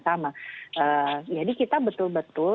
sama jadi kita betul betul